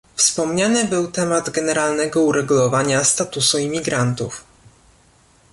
Wspomniany był temat generalnego uregulowania statusu imigrantów